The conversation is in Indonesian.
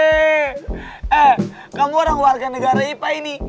eh kamu orang warga negara ipah ini